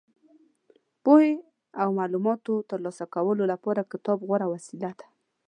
پوهې او معلوماتو ترلاسه کولو لپاره کتاب غوره وسیله ده.